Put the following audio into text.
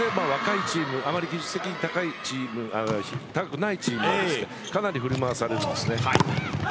技術的に高くないチームかなり振り回されるんです。